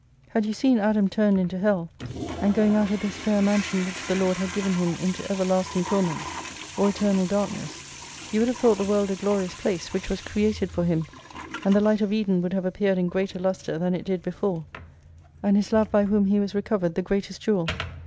Had you seen Adam turned into Hell, 'and going out of this fair mansion which the Lord had given him into everlasting torments, or eternal darkness, you would have thought the "World a glorious place, which was created for him, and the Light of Eden would have appeared in greater lustre than it did before : and His love by whom he was recovered the greatest jewel.